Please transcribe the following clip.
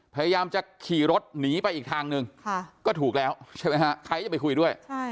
พยายามจะขี่รถหนีไปอีกทางหนึ่งก็ถูกแล้วใช่ไหมฮะใครจะไปคุยด้วย